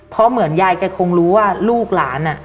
เพราะเหมือนยายแกคงรู้ว่าลูกหลาน